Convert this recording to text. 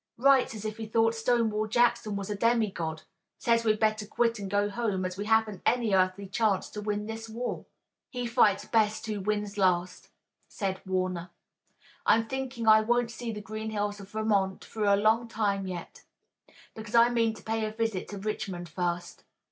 Writes as if he thought Stonewall Jackson was a demigod. Says we'd better quit and go home, as we haven't any earthly chance to win this war." "He fights best who wins last," said Warner. "I'm thinking I won't see the green hills of Vermont for a long time yet, because I mean to pay a visit to Richmond first.